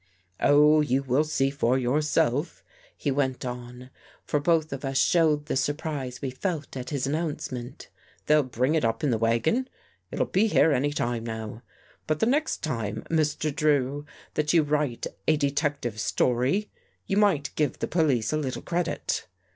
" Oh, you will see for yourself," he went on, for both of us showed the surprise we felt at his an nouncement. " They'll bring it up in the wagon. It'll be here any time now. But the next time, Mr. Drew, that you write a detective story, you might give the police a little credit.